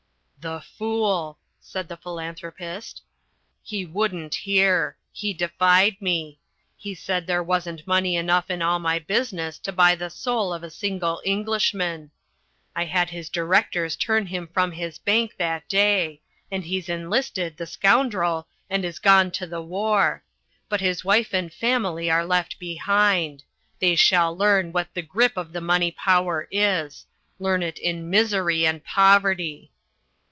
"The fool!" said The Philanthropist. "He wouldn't hear he defied me he said that there wasn't money enough in all my business to buy the soul of a single Englishman. I had his directors turn him from his bank that day, and he's enlisted, the scoundrel, and is gone to the war. But his wife and family are left behind; they shall learn what the grip of the money power is learn it in misery and poverty."